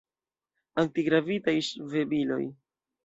Antigravitaj ŝvebiloj.